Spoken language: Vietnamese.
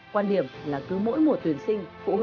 quan điểm là cứ mỗi mùa tuyển sinh